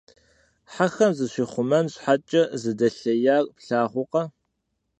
Хьэхэм зыщихъумэн щхьэкӏэ зыдэлъеяр плъагъуркъэ!